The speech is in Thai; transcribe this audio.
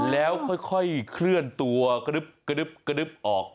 แล้วค่อยเคลื่อนตัวขดึบออก